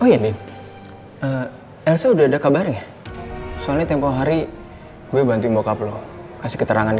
oh ya nien elsa udah ada kabarnya soalnya tempoh hari gue bantuin bokap lo kasih keterangan di